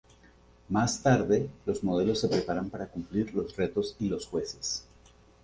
Más tarde, los modelos se preparan para cumplir los retos y los jueces.